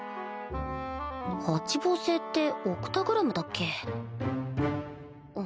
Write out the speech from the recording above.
八芒星ってオクタグラムだっけ？